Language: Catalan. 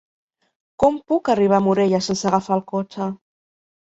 Com puc arribar a Morella sense agafar el cotxe?